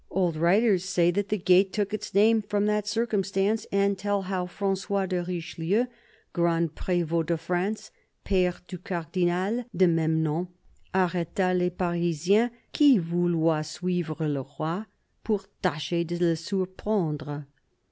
Old writers say that the gate took its name from that circumstance, and tell how " Francois de Richelieu, Grand Prevdt de France, pfere du Cardinal de meme nom, arreta les Parisiens qui vouloient suivre le Roi, pour tacher de le surprendre."